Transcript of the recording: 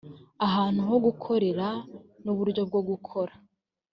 ahantu ho gukorera n uburyo bwo gukora